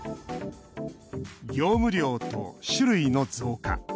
業務量と種類の増加。